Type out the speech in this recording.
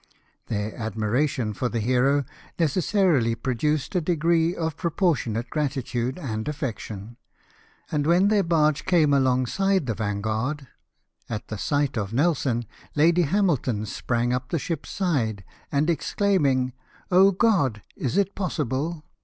Theh admiration for the hero necessarily produced a degree of proportionate gratitude and affection ; and when their barge came alongside the Vo/iKjuurd , at the sight of Nelson Lady Hamilton sprang up the ship's side, and exclaiming, " God ! is it possible